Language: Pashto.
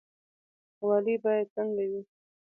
والي باید څنګه وي؟